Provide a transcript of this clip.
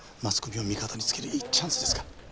マスコミを味方につけるいいチャンスですから。